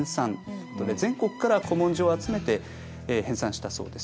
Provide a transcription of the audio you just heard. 全国から古文書を集めて編さんしたそうです。